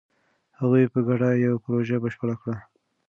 هغوی په ګډه یوه پروژه بشپړه کړه.